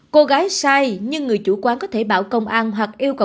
cô gái sai nhưng người chủ quán có thể bảo công an hoặc yêu cầu